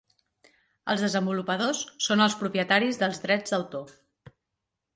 Els desenvolupadors són els propietaris dels drets d'autor.